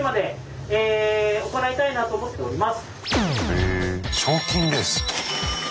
へぇ賞金レース。